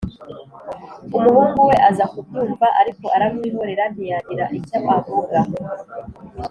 Umuhungu we aza kubyumva, ariko aramwihorera ntiyagira icyo avuga.